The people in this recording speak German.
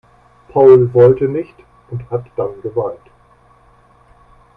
Paul wollte nicht und hat dann geweint.